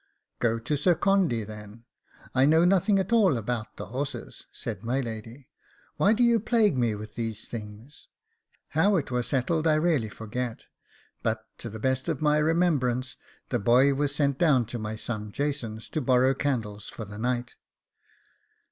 'Go to Sir Condy then; I know nothing at all about the horses,' said my lady; 'why do you plague me with these things?' How it was settled I really forget, but to the best of my remembrance, the boy was sent down to my son Jason's to borrow candles for the night.